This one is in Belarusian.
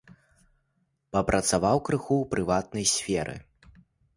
Папрацаваў крыху ў прыватнай сферы.